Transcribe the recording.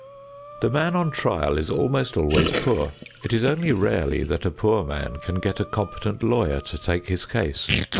The man on trial is almost always poor. It is only rarely that a poor man can get a competent lawyer to take his case.